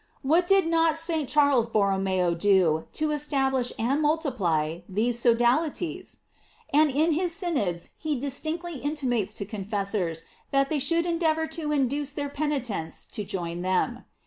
What did not St. Charles Borromeo do to establish and multiply these sodalities ? And in his synods he distinctly intimates to confessors that they should endeavor to induce their penitents to join them.